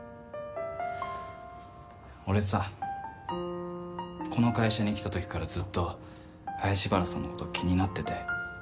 俺さ、この会社に来た時からずっと林原さんのこと気になってて。